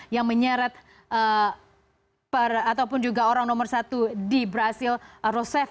yang menyeret ataupun juga orang nomor satu di brazil rosef